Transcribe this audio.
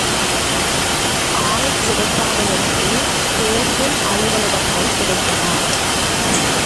ஆள் கிடைக்காததற்கு தேர்தல் அலுவலகங்கள் கிடைத்தன.